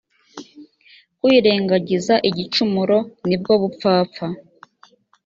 kwirengagiza igicumuro ni bwo bupfapfa